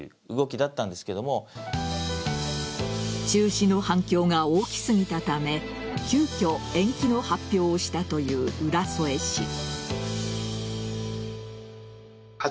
中止の反響が大きすぎたため急きょ延期の発表をしたという浦添市。